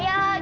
ya udah deh